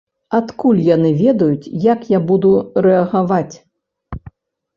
Адкуль яны ведаюць, як я буду рэагаваць?!